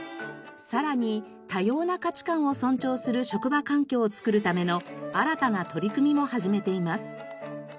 さらに多様な価値観を尊重する職場環境を作るための新たな取り組みも始めています。